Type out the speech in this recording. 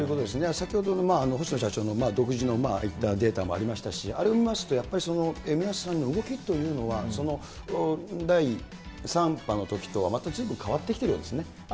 先ほどの星野社長の独自のデータもありましたし、あれを見ますと、やっぱり皆さんの動きというのは、その第３波のときとはまたずいぶん変わってきているようですね。